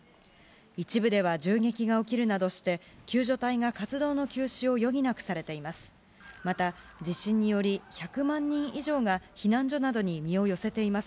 一部では銃撃が起きるなどして、救助隊が活動の休止を余儀なくされています。